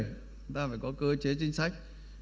chúng ta phải có cơ chế chính sách